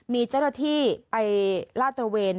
มีเจ้าหน้าที่ไปลาดตระเวน